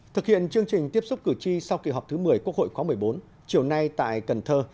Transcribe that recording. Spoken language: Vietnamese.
thực hiện chương trình tiếp xúc cử tri sau kỳ họp thứ một mươi quốc hội khóa một mươi bốn chiều nay tại cần thơ